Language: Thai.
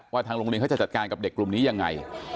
ทางโรงเรียนเขาจะจัดการกับเด็กกลุ่มนี้ยังไง